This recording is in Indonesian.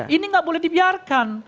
ini nggak boleh dibiarkan